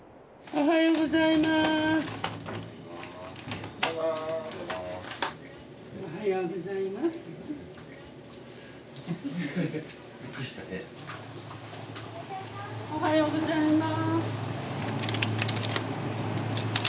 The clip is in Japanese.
おはようございます。